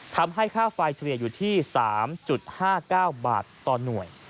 ค่าไฟเฉลี่ยอยู่ที่๓๕๙บาทต่อหน่วย